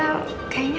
kita ketemu dimana